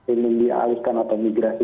yang dialihkan atau migrasi